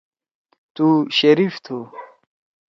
تُو شیریف تُھو۔